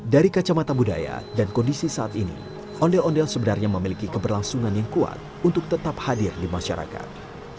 dari kacamata budaya dan kondisi saat ini ondel ondel sebenarnya memiliki keberlangsungan yang kuat untuk tetap hadir di masyarakat